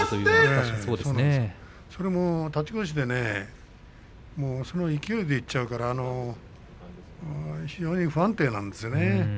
それも立ち腰でその勢いでいっちゃうから非常に不安定なんですよね。